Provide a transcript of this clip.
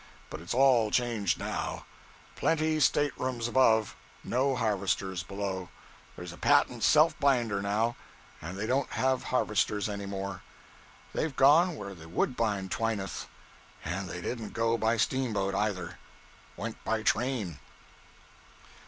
But it's all changed now; plenty staterooms above, no harvesters below there's a patent self binder now, and they don't have harvesters any more; they've gone where the woodbine twineth and they didn't go by steamboat, either; went by the train.'